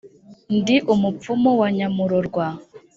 ndi umupfumu wa nyamurorwa